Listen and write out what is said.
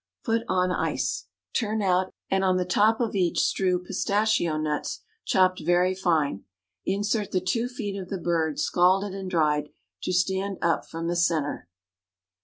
Put on ice. Turn out, and on the top of each strew pistachio nuts chopped very fine. Insert the two feet of the bird, scalded and dried, to stand up from the centre.